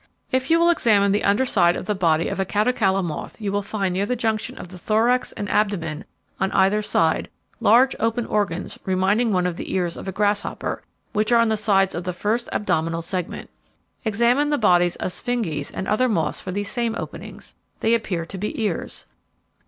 "If you will examine the under side of the body of a Catocala moth you will find near the junction of the thorax and abdomen on either side, large open organs reminding one of the ears of a grasshopper, which are on the sides of the first abdominal segment. Examine the bodies of Sphinges and other moths for these same openings. They appear to be ears.